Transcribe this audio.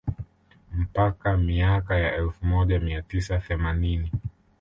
Mpaka miaka ya elfu moja mia tisa themanini